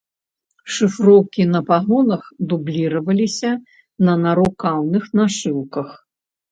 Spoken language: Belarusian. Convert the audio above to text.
Шыфроўкі на пагонах дубліраваліся на нарукаўных нашыўках.